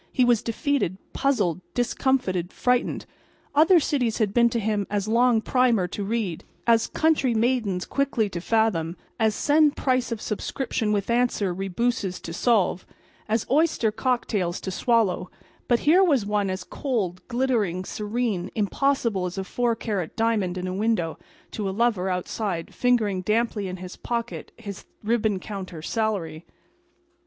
He was defeated, puzzled, discomfited, frightened. Other cities had been to him as long primer to read; as country maidens quickly to fathom; as send price of subscription with answer rebuses to solve; as oyster cocktails to swallow; but here was one as cold, glittering, serene, impossible as a four carat diamond in a window to a lover outside fingering damply in his pocket his ribbon counter salary.